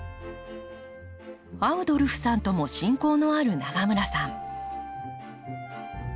アウドルフさんとも親交のある永村さん。